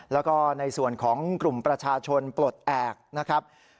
แล้วก็ในส่วนของกลุ่มประชาชนปลดแอบนะครับ